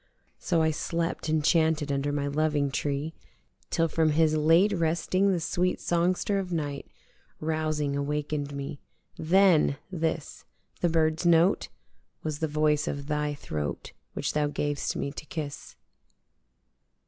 So I slept enchanted under my loving tree Till from his late resting the sweet songster of night Rousing awaken'd me: Then! this the birdis note Was the voice of thy throat which thou gav'st me to kiss.